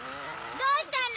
どうしたの？